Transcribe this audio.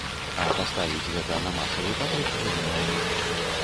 А паставіць гэта на масавы паток я не магу.